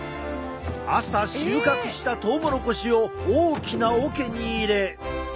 朝収穫したトウモロコシを大きなおけに入れ。